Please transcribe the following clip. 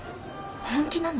本気なの？